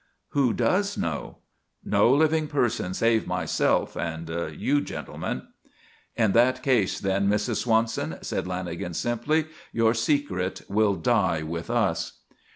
"Who does know?" "No living person save myself and you gentlemen." "In that case, then, Mrs. Swanson," said Lanagan simply, "your secret will die with us."